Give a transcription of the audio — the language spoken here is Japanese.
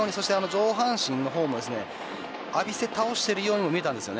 上半身の方も浴びせ倒しているように見えました。